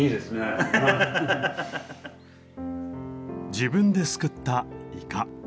自分ですくったイカ。